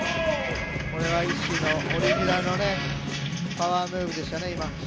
これはＩＳＳＩＮのオリジナルのパワームーブでしたね。